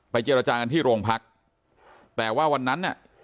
เจรจากันที่โรงพักแต่ว่าวันนั้นน่ะ